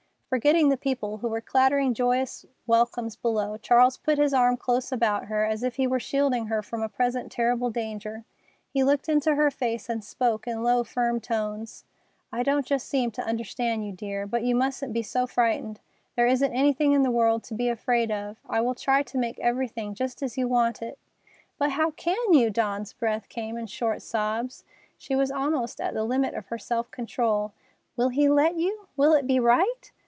Forgetting the people who were clattering joyous welcomes below, Charles put his arm close about her, as if he were shielding her from a present terrible danger. He looked into her face and spoke in low, firm tones: "I don't just seem to understand you, dear, but you mustn't be so frightened. There isn't anything in the world to be afraid of. I will try to make everything just as you want it——" "But how can you?" Dawn's breath came in short sobs. She was almost at the limit of her self control. "Will he let you? Will it be right?"